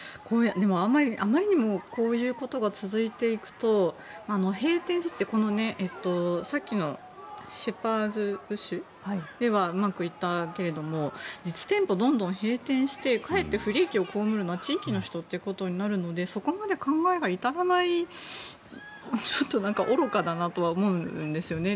あまりにもこういうことが続いていくとさっきのシェパーズ・ブッシュではうまくいったけれども実店舗がどんどん閉店してかえって不利益を被るのは地域の人ということになるのでそこまで考えが至らないのって愚かだなとは思うんですよね。